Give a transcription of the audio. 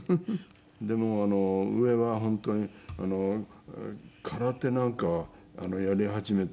でも上は本当に空手なんかやり始めて。